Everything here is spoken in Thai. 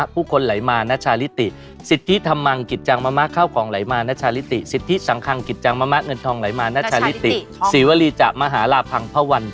ตุลาคมได้ไพ่๑ดาบแล้วก็ได้ไพ่เจ้าหญิงถ้วย